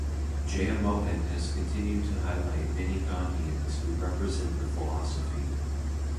Jeyamohan has continued to highlight many Gandhians who represent the philosophy.